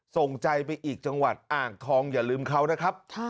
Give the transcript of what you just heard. ส่งใจไปอีกจังหวัดอ่างทองอย่าลืมเขานะครับ